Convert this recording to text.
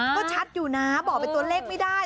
ก็ชัดอยู่นะบอกเป็นตัวเลขไม่ได้